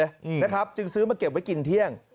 อืมนะครับจึงซื้อมาเก็บไว้กินเที่ยง